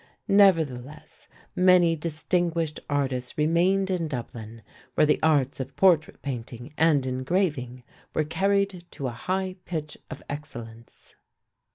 Nevertheless, many distinguished artists remained in Dublin, where the arts of portrait painting and engraving were carried to a high pitch of excellence.